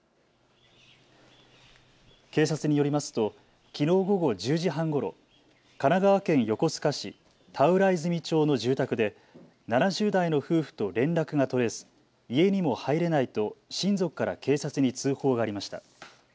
警察によりますときのう午後１０時半ごろ、神奈川県横須賀市田浦泉町の住宅で７０代の夫婦と連絡が取れず、家にも入れないと親族から警察に通報がありました。